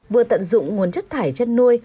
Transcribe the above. vừa tận dụng nguồn chất thải chăn nuôi